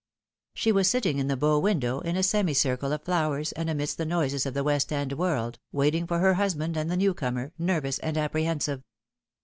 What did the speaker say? She was sitting in the bow window, in a semicircle of flowers and amidst the noises of the West End world, waiting for her husband and the new comer, nervous and apprehensive.